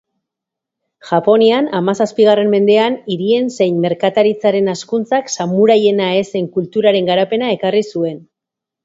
Japonian hamazazpigarren mendean hirien zein merkataritzaren hazkuntzak samuraiena ez zen kulturaren garapena ekarri zuen.